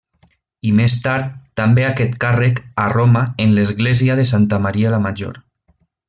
I més tard també aquest càrrec a Roma en l'església de Santa Maria la Major.